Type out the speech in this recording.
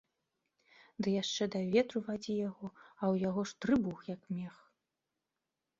Ды яшчэ да ветру вадзі яго, а ў яго ж трыбух, як мех.